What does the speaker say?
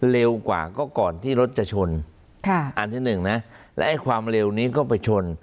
เร็วกว่าก็ก่อนที่รถจะชนค่ะอันที่หนึ่งนะและไอ้ความเร็วนี้ก็ไปชน